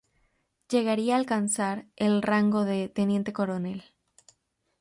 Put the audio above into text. Llegaría alcanzar el rango de teniente coronel.